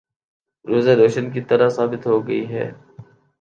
‘ روز روشن کی طرح ثابت ہو گئی ہے۔